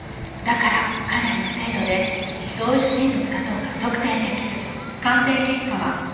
だからかなりの精度で同一人物かどうか特定できる。